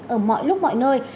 ở mọi lúc mọi nơi